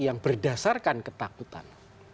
yang berdasarkan ketakutan